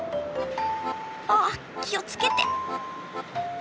ああっ気をつけて。